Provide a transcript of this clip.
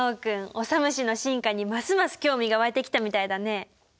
オサムシの進化にますます興味が湧いてきたみたいだね。